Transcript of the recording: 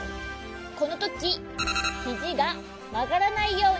このときひじがまがらないようにちゅういしよう！